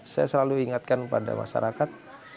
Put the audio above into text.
saya selalu ingatkan pada masyarakat